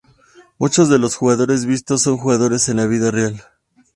Muchos de los jugadores vistos son jugadores en la vida real.